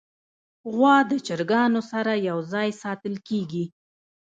غوا د چرګانو سره یو ځای ساتل کېږي.